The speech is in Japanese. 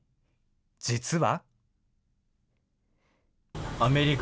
実は。